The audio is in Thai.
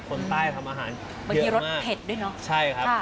คนใต้ทำอาหารเยอะมาก